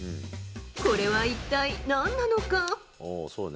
これは一体なんなのか。